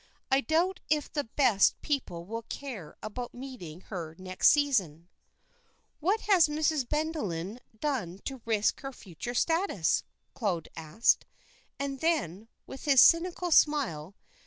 I doubt if the best people will care about meeting her next season." "What has Mrs. Bellenden done to risk her future status?" Claude asked, and then, with his cynical smile.